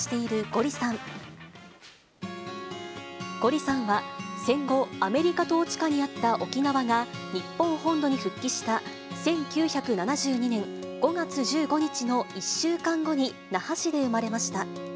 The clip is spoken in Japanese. ゴリさんは、戦後、アメリカ統治下にある沖縄が、日本本土に復帰した１９７２年５月１５日の１週間後に、那覇市で生まれました。